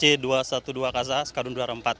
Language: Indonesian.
jadi dua satu dua kasa sekadun dua puluh empat